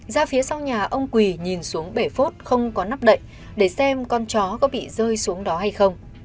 ra phía sau nhà ông quỳ nhìn xuống bể phốt không có nắp đậy để xem con chó có bị rơi xuống đó hay không